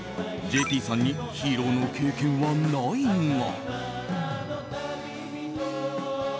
ＪＰさんにヒーローの経験はないが。